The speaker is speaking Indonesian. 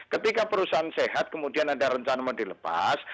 ketika perusahaan sehat kemudian ada rencana mau dilepas